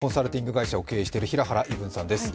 コンサルティング会社を経営している平原依文さんです。